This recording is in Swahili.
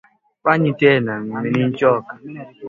hadi tarehe kumi mwezi wa tano mwaka elfu mbili na saba